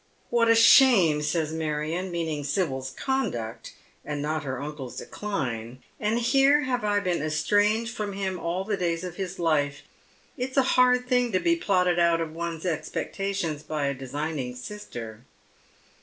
^ What a bluimo I " says Maiion, ineauing Sibyl's conduct, and Bitter Almonds. 243 not her uncle's decline ;" and here have I been estranged from him all the days of his life. It's a hard thing to be plotted out of one's expectations by a designing sister."